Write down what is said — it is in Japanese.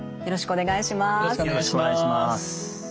よろしくお願いします。